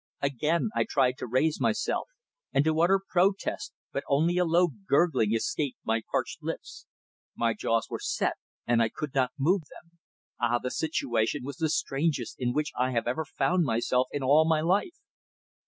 Again I tried to raise myself, and to utter protest, but only a low gurgling escaped my parched lips. My jaws were set and I could not move them. Ah! the situation was the strangest in which I have ever found myself in all my life.